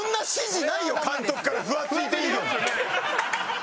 監督から「フワついていいよ」って。